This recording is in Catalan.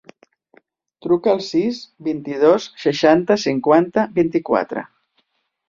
Truca al sis, vint-i-dos, seixanta, cinquanta, vint-i-quatre.